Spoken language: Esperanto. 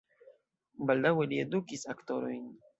Baldaŭe li edukis aktorojn.